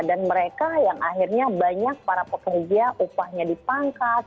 dan mereka yang akhirnya banyak para pekerja upahnya dipangkat